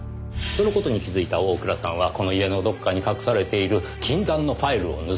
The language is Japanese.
その事に気づいた大倉さんはこの家のどこかに隠されている禁断のファイルを盗み出した。